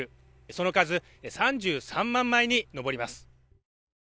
その数、３３万枚に上ります。